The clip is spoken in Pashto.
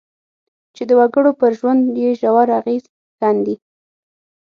چې د وګړو پر ژوند یې ژور اغېز ښندي.